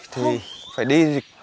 thì phải đi